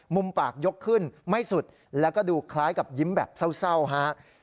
มุมปากยกขึ้นไม่สุดแล้วก็ดูคล้ายกับยิ้มแบบเศร้าฮะ